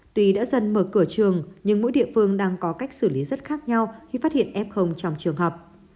tuy đã dần mở cửa trường nhưng mỗi địa phương đang có cách xử lý rất khác nhau khi phát hiện f trong trường học